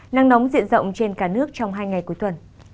nắng nóng diện rộng trên cả nước trong hai ngày cuối tuần